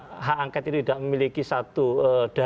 maka fakta bahwa hak angket itu tidak memiliki satu kekuatan